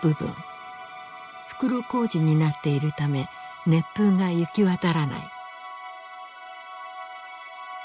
袋小路になっているため熱風が行き渡らない。